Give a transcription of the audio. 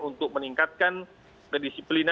untuk meningkatkan kedisiplinan